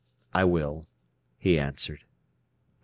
"I will," he answered.